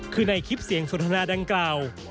คือในคลิปเสียงสนทนาดังกล่าว